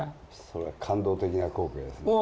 それは感動的な光景ですね。